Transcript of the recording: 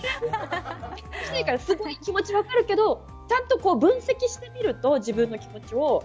すごい気持ち分かるけどちゃんと分析してみると自分の気持ちを。